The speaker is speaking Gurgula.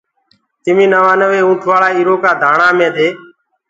تميٚ نوآنوي اُنٚٺوآݪا ايٚرو ڪآ دآڻآ مي دي